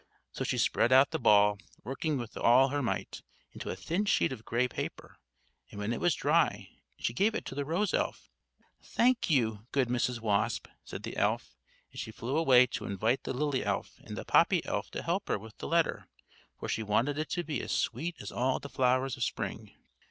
So she spread out the ball, working with all her might, into a thin sheet of gray paper; and when it was dry, she gave it to the rose elf. "Thank you, good Mrs. Wasp," said the elf; and she flew away to invite the lily elf and the poppy elf to help her with the letter, for she wanted it to be as sweet as all the flowers of spring.